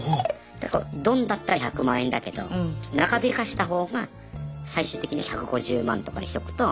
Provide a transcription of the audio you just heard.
「どん」だったら１００万円だけど長引かせたほうが最終的に１５０万とかにしとくと。